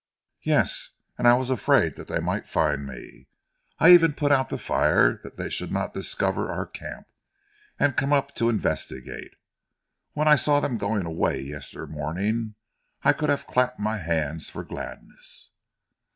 "Yes! And I was afraid that they might find me. I even put out the fire that they should not discover our camp and come up to investigate. When I saw them going away yestermorning I could have clapped my hands for gladness."